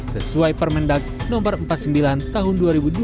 sesuai permendak no empat puluh sembilan tahun dua ribu dua puluh